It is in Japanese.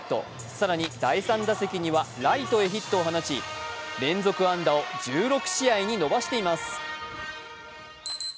更に第３打席にはライトへヒットを放ち連続安打を１６試合に伸ばしています。